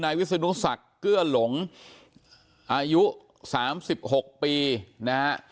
นายวิศนุษย์สักเกื้อหลงอายุสามสิบหกปีนะฮะ